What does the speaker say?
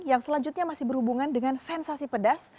yang selanjutnya masih berhubungan dengan sensasi pedas